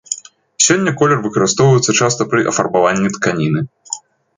Сёння колер выкарыстоўваецца часта пры афарбаванні тканіны.